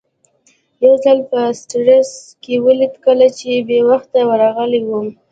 یو ځل مې په سټریسا کې ولید کله چې بې وخته ورغلی وم.